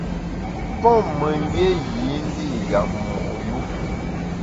Pon memgbié yî ndi’ yap mo’ yu.